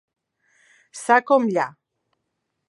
Ça com lla.